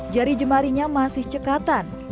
jari jemarinya masih cekatan